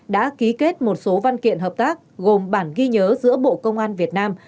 đã ký kết một số văn kiện hợp tác gồm bản ghi nhớ giữa bộ công an việt nam